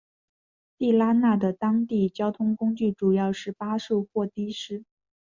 地拉那的当地交通工具主要是巴士或的士。